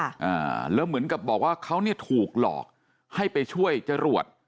อ่าแล้วเหมือนกับบอกว่าเขาเนี่ยถูกหลอกให้ไปช่วยจรวด